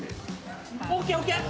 ＯＫＯＫ！